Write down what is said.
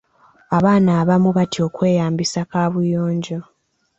Abaana abamu batya okweyambisa kaabuyonjo.